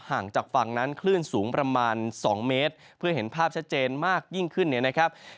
ห่างจากฝั่งนั้นคลื่นสูงประมาณ๒เมตรเพื่อเห็นภาพชัดเจนมากยิ่งขึ้นเนี่ยนะครับ